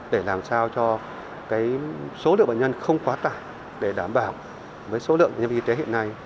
để làm sao cho số lượng bệnh nhân không quá tải để đảm bảo với số lượng nhân viên y tế hiện nay